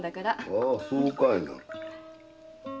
ああそうかいな。